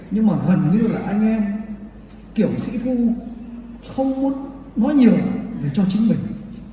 nhưng mà gần như là anh em kiểu sĩ thu không muốn nói nhiều về cho chính mình